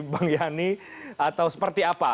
bang yani atau seperti apa